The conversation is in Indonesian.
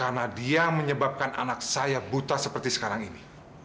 karena dia menyebabkan anak saya buta seperti sekarang ini